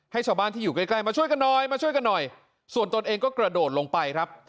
ให้ชาวบ้านที่อยู่ใกล้มาช่วยกันหน่อยส่วนตนเองก็กระโดดลงไปครับ